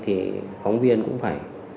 thì phóng viên cũng phải